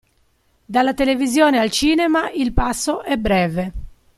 Dalla televisione al cinema il passo è breve.